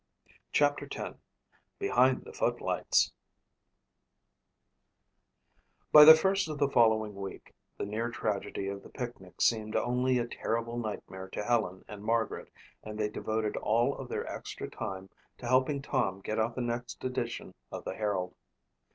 CHAPTER X Behind the Footlights By the first of the following week the near tragedy of the picnic seemed only a terrible nightmare to Helen and Margaret and they devoted all of their extra time to helping Tom get out the next edition of the Herald.